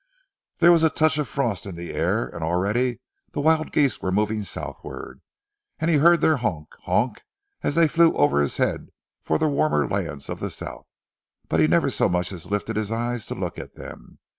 There was a touch of frost in the air, and already the wild geese were moving southward, and he heard their honk! honk! as they flew over his head for the warmer lands of the South, but he never so much as lifted his eyes to look at them.